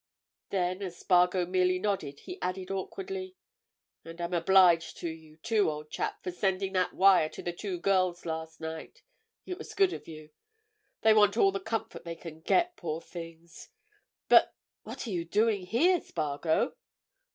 Then, as Spargo merely nodded, he added, awkwardly: "And I'm obliged to you, too, old chap, for sending that wire to the two girls last night—it was good of you. They want all the comfort they can get, poor things! But—what are you doing here, Spargo?"